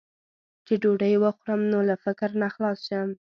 چې ډوډۍ وخورم، نور له فکر نه خلاص شم.